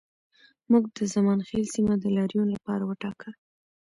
موږ د زمانخیل سیمه د لاریون لپاره وټاکه